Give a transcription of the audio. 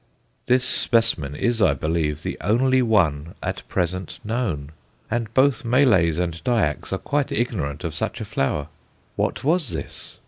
This specimen is, I believe, the only one at present known, and both Malays and Dyaks are quite ignorant of such a flower! What was this?